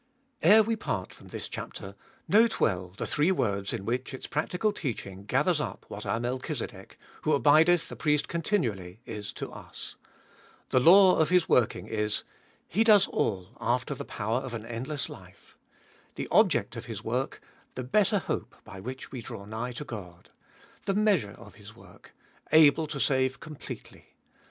1. Ere we part from this chapter note well the three words In which its practical teaching gathers up what our Melchizedek, who abideth a priest continually, is to us. The law of His working Is : He does all after the power of an endless life. The object of His work : the better hope, by which we draw nigh to God. The measure of His work : able to save completely.